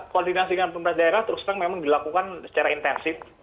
koordinasi dengan pemerintah daerah terus terang memang dilakukan secara intensif